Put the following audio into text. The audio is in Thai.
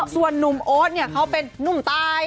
ส่วนนุ่มโอ๊ตเขาเป็นนุ่มตาย